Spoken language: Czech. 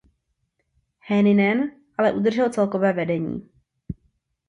Hänninen ale udržel celkové vedení.